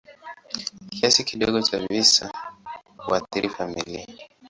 Kiasi kidogo cha visa huathiri familia.